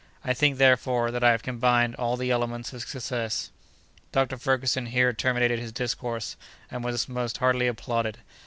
I think, therefore, that I have combined all the elements of success." Dr. Ferguson here terminated his discourse, and was most heartily applauded.